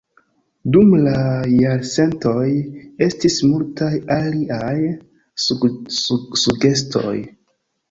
Dum la jarcentoj, estis multaj aliaj sugestoj.